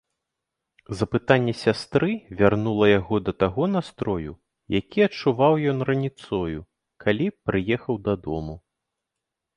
Запытанне сястры вярнула яго да таго настрою, які адчуваў ён раніцою, калі прыехаў дадому.